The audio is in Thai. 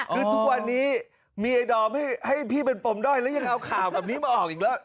คือทุกวันนี้มีไอ้ดอมให้พี่เป็นปมด้อยแล้วยังเอาข่าวแบบนี้มาออกอีกแล้ว